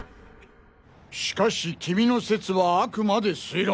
しかし君の説はあくまで推論。